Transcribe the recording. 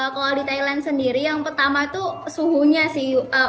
kalau di thailand sendiri yang pertama itu suhunya sih